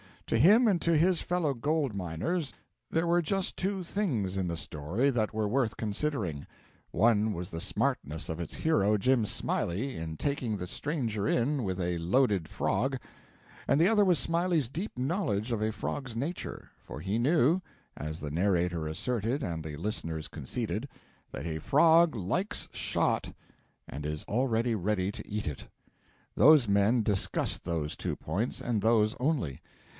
To him and to his fellow gold miners there were just two things in the story that were worth considering. One was the smartness of its hero, Jim Smiley, in taking the stranger in with a loaded frog; and the other was Smiley's deep knowledge of a frog's nature for he knew (as the narrator asserted and the listeners conceded) that a frog likes shot and is always ready to eat it. Those men discussed those two points, and those only.